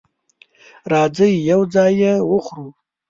راځئ یو ځای یی وخورو